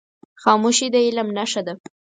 خاموشي، د علم نښه ده.